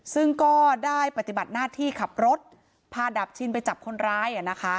ซึ่งก็ได้ปฏิบัติหน้าที่ขับรถพาดาบชินไปจับคนร้าย